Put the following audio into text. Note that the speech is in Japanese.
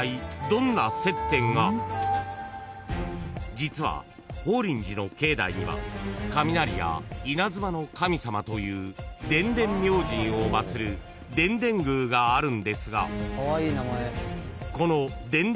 ［実は法輪寺の境内には雷や稲妻の神様という電電明神を祭る電電宮があるんですがこの電電明神